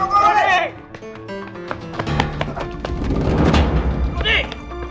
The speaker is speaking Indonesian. aduh nyusahin nih orang